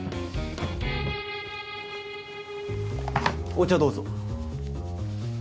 お茶どうぞ。